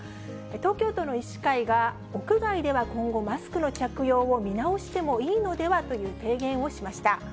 東京都の医師会は、屋外では今後、マスクの着用を見直してもいいのではという提言をしました。